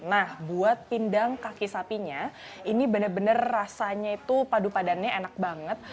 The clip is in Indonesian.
nah buat pindang kaki sapinya ini benar benar rasanya itu padu padannya enak banget